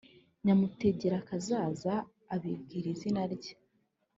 nyamutegerakazaza abibwira izina rye.